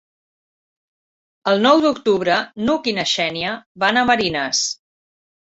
El nou d'octubre n'Hug i na Xènia van a Marines.